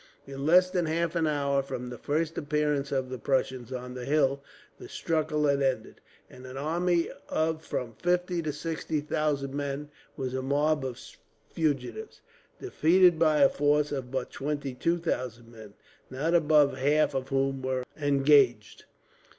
In less than half an hour from the first appearance of the Prussians on the hill, the struggle had ended, and an army of from fifty to sixty thousand men was a mob of fugitives; defeated by a force of but twenty two thousand men, not above half of whom were engaged.